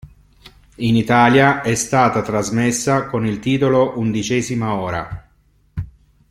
In Italia è stata trasmessa con il titolo "Undicesima ora".